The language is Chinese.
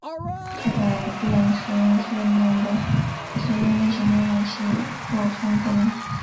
是改变使用介面的常见类型浏览器扩充功能。